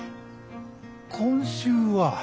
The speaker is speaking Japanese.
今週は。